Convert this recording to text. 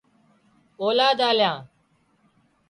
اولاد آليان